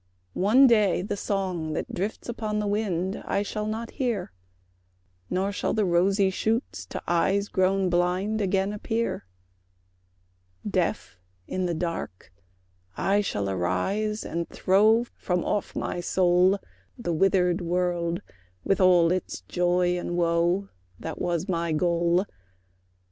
One day the song that drifts upon the wind, I shall not hear; Nor shall the rosy shoots to eyes grown blind Again appear. Deaf, in the dark, I shall arise and throw From off my soul, The withered world with all its joy and woe, That was my goal.